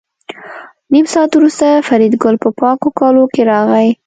نیم ساعت وروسته فریدګل په پاکو کالو کې راغی